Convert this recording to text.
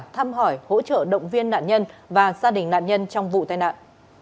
thăm hỏi hỗ trợ động viên nạn nhân và gia đình nạn nhân trong vụ tai nạn